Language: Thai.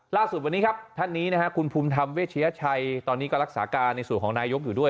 ล่าสุดวันนี้ครับท่านนี้นะฮะคุณภูมิธรรมเวชยชัยตอนนี้ก็รักษาการในส่วนของนายกอยู่ด้วย